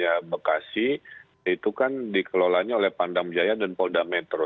polda bekasi itu kan dikelolanya oleh pandam jaya dan polda metro